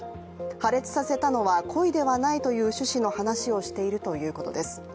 破裂させたのは故意ではないという趣旨の供述をしているということです。